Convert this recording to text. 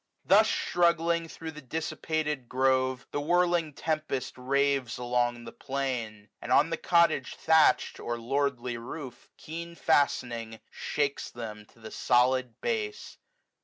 Thus struggling thro' the dissipated grove, 1S5 The whirling tempest raves along the plain ; And on the cottage thatch'd, or lordly roof. Keen fastening, shakes them to the solid base.